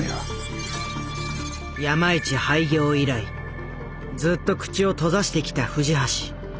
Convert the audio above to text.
山一廃業以来ずっと口を閉ざしてきた藤橋。